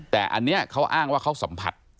แต่อันนี้เขาอ้างว่าเขาสัมผัส